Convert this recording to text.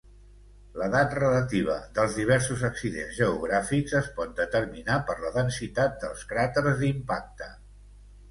L'edat relativa dels diversos accidents geogràfics es pot determinar per la densitat dels cràters d'impacte.